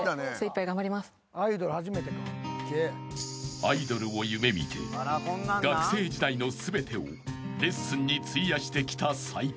［アイドルを夢見て学生時代の全てをレッスンに費やしてきた齊藤］